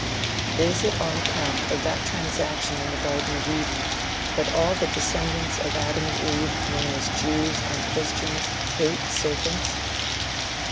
Is it on account of that transaction in the garden of Eden, that all the descendents of Adam and Eve known as Jews and Christians hate serpents?